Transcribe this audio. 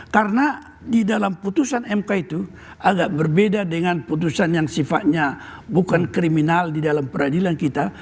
karena di dalam keputusan mk itu agak berbeda dengan keputusan yang sifatnya bukan kriminal di dalam peradilan kita